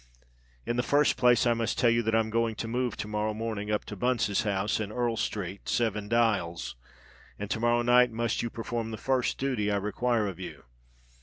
"In the first place I must tell you that I'm going to move to morrow morning up to Bunce's house, in Earl Street, Seven Dials; and to morrow night must you perform the first duty I require of you."